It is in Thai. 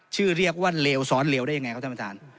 ชื่อว่าเลวซ้อนเลวได้ยังไงครับท่านประธาน